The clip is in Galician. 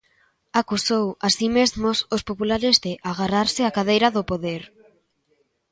Acusou así mesmo os populares de "agarrarse á cadeira" do poder.